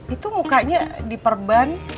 itu mukanya diperban